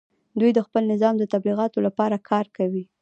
دوی د خپل نظام د تبلیغاتو لپاره کار کوي